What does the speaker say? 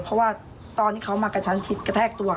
เพราะว่าตอนที่เขามากระชั้นชิดกระแทกตัว